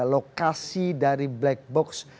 lokasi dari black box